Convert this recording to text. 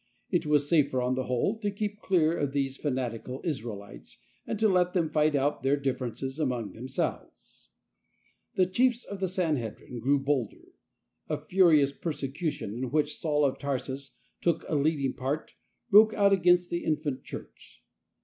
It was safer on the whole to keep clear of these fanatical Israelites, and to let them fight out their differences among them .s^yesyKT/:, The chiefs of the Sanhedrin grew bolder. A furious persecution, in which Saul of Tarsus took a leading part, broke out against the infant Church.